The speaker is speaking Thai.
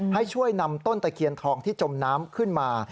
ให้ช่วยนำต้นตะเคียนทองที่จมน้ำขึ้นมา